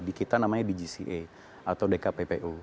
di kita namanya bgca atau dkppu